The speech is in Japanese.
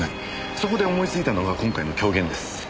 そこで思いついたのが今回の狂言です。